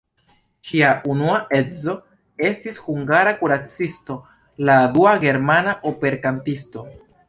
Ŝia unua edzo estis hungara kuracisto, la dua germana operkantisto.